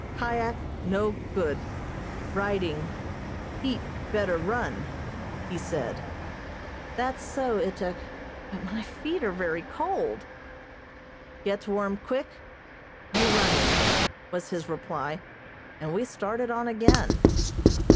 "Kyak no good riding heap better run," he said. "That's so, Ituk, but my feet are very cold." "Get warm quick you running," was his reply, and we started on again.